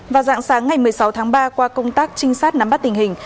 vào dạng sáng ngày một mươi sáu tháng ba qua công tác trinh sát nắm bắt tình hình